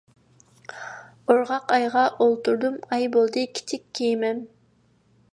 ئورغاق ئايغا ئولتۇردۇم، ئاي بولدى كىچىك كېمەم.